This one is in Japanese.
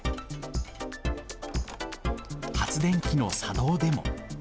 発電機の作動でも。